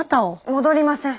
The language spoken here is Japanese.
戻りません。